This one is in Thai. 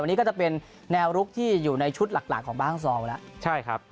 อันนี้ก็จะเป็นแนวลุกที่อยู่ในชุดหลักของบ้านซองไปแล้วใช่ครับ